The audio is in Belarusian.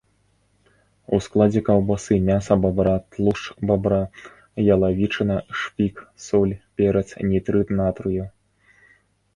У складзе каўбасы мяса бабра, тлушч бабра, ялавічына, шпік, соль, перац, нітрыт натрыю.